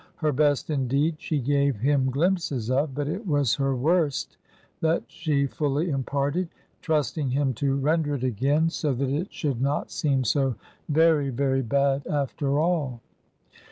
Her best, indeed, she gave him glimpses of, but it was her worst that she fully imparted, trusting him to render it again so that it should not seem so very, very bad, after all.